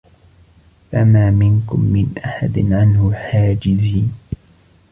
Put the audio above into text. فَمَا مِنكُم مِّنْ أَحَدٍ عَنْهُ حَاجِزِينَ